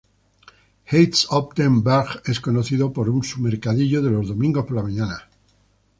Heist-op-den-Berg es conocido por su mercadillo de los domingos por la mañana.